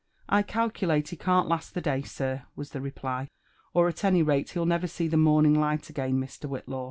*' I calculate he qan't last the day, sir," was the reply ; *'or at any rate he'll never see the morning light again, Mr. Whitlaw.